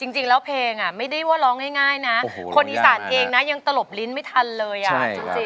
จริงแล้วเพลงไม่ได้ว่าร้องง่ายนะคนอีสานเองนะยังตลบลิ้นไม่ทันเลยอ่ะจริง